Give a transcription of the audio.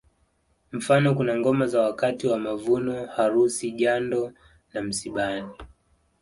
Mfano kuna ngoma za wakati wa mavuno harusi jando na msibani